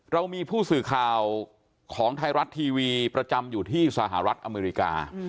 เรามีผู้สื่อข่าวของไทยรัฐทีวีประจำอยู่ที่สหรัฐอเมริกา